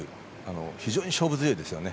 非常に勝負強いですよね。